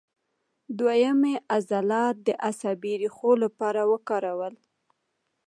دوهیم یې عضلات د عصبي ریښو لپاره وکارول.